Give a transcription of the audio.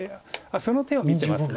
その手を見てます